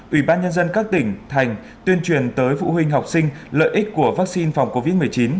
ủy ban nhân dân các tỉnh thành tuyên truyền tới phụ huynh học sinh lợi ích của vaccine phòng covid một mươi chín